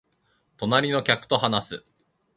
隣の客と話す